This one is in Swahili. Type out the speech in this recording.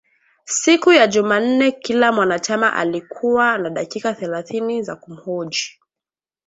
Siku ya jumanne kila mwanachama alikuwa na dakika thelathini za kumhoji